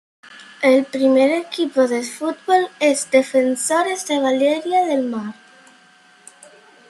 El primer equipo de fútbol es Defensores de Valeria del Mar.